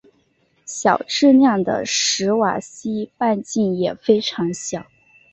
小质量的史瓦西半径也非常小。